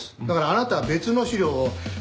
だからあなたは別の資料を。